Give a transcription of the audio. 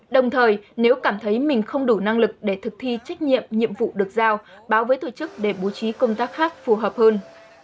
đồng thời nếu cảm thấy mình không đủ năng lực để thực thi trách nhiệm nhiệm vụ được giao báo với tổ chức để bố trí công tác khác phù hợp hơn